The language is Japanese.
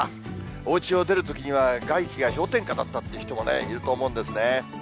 おうちを出るときには、外気が氷点下だったって人もね、いると思うんですね。